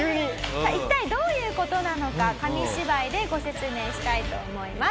さあ一体どういう事なのか紙芝居でご説明したいと思います。